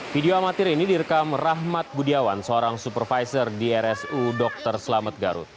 video amatir ini direkam rahmat budiawan seorang supervisor di rsu dr selamet garut